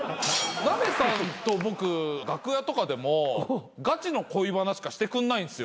なべさんと僕楽屋とかでもガチの恋バナしかしてくれないんですよ。